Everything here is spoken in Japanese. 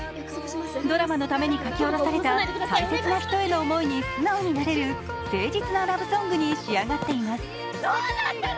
ドラマのために書き下ろされた大切な人への思いに素直になれる誠実なラブソングに仕上がっています。